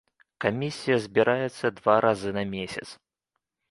Камісія збіраецца два разы на месяц.